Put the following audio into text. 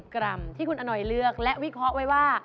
กรัมที่คุณอนอยเลือกและวิเคราะห์ไว้ว่า